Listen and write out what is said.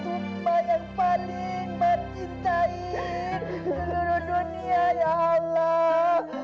tumpah yang paling mencintai seluruh dunia ya allah